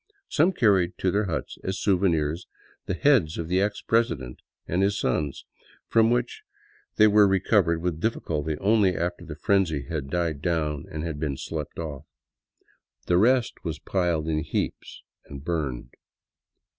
Some carried to their huts as souvenirs the heads of the ex president and his sons, I from which they were recovered with difficulty only after the frenzy had died down and been slept off. The rest was piled in heaps and j burned.